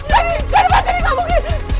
raja ini pasti gak mungkin